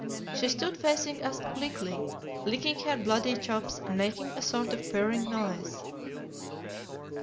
She stood facing us obliquely, licking her bloody chops and making a sort of purring noise.